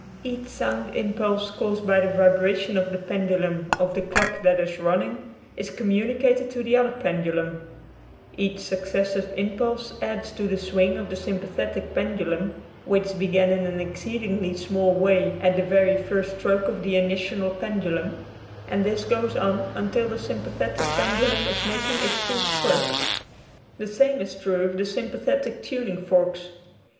Each sound impulse, caused by the vibration of the pendulum of the clock that is running, is communicated to the other pen dulum. Each successive impulse adds to the swing of the sympathetic pendulum which be gan in an exceedingly small way at the very first stroke of the initial pendulum, and this goes on until the sympathetic pendulum is (~~ j , Original from :l< ~ UNIVERSITY OF WISCONSIN 78 Hature'0 fl&tcaclee. making its full stroke. The same is true of the sympathetic tuning forks.